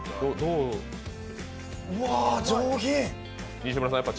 うわ、上品。